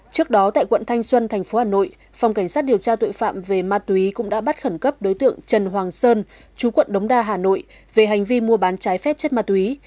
trước đó tại quận thanh xuân thành phố hà nội phòng cảnh sát điều tra tội phạm về ma túy cũng đã bắt khẩn cấp đối tượng trần hoàng sơn chú quận đống đa hà nội về hành vi mua bán trái phép chất ma túy